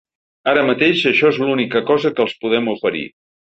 Ara mateix això és l’única cosa que els podem oferir.